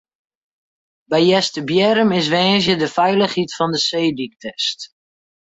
By Easterbierrum is woansdei de feilichheid fan de seedyk test.